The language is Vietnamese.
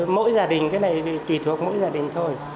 mỗi gia đình cái này thì tùy thuộc mỗi gia đình thôi